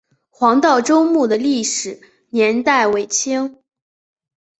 黄道周墓的历史年代为清。